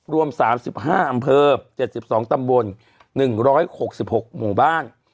รวม๓๕อำเภอ๗๒ตำบล๑๖๖หมู่บ้าน